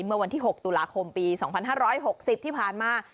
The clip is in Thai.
เมื่อวันที่๖ตุลาคมปี๒๕๖๐ที่ผ่านมา